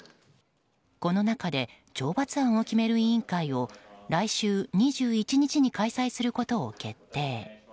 この中で懲罰案を決める委員会を来週２１日に開催することを決定。